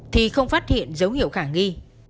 thì không phát hiện dấu hiệu khả nghi